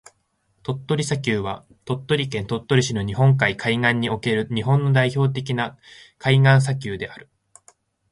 鳥取砂丘は、鳥取県鳥取市の日本海海岸に広がる日本の代表的な海岸砂丘である。